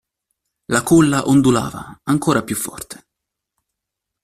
La culla ondulava ancora più forte.